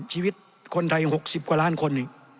ชีวิตคนไทย๖๐กว่าล้านคน